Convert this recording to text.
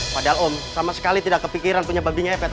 padahal om sama sekali tidak kepikiran punya babi ngepet